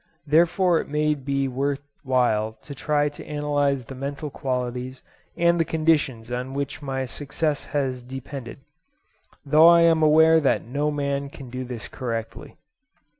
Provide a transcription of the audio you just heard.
Therefore it may be worth while to try to analyse the mental qualities and the conditions on which my success has depended; though I am aware that no man can do this correctly.